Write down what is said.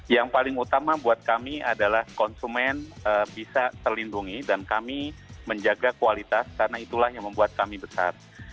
yang paling utama buat kami adalah konsumen bisa terlindungi dan kami menjaga kualitas karena itulah yang membuat kami besar